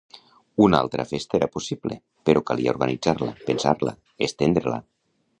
Una altra festa era possible, però calia organitzar-la, pensar-la, estendre-la.